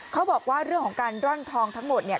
เขาบอกว่าเรื่องของการร่อนทองทั้งหมดเนี่ย